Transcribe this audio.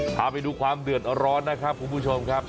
พาไปดูความเดือดร้อนนะครับคุณผู้ชมครับ